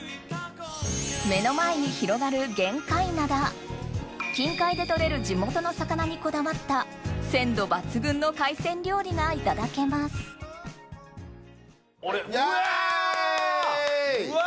目の前に広がる近海で獲れる地元の魚にこだわった鮮度抜群の海鮮料理がいただけますうわ！イェイ！